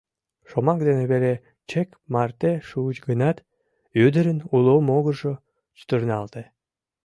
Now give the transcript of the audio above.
Шомак дене веле чек марте шуыч гынат, ӱдырын уло могыржо чытырналте.